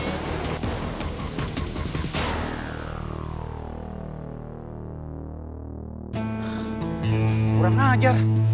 udah kurang ajar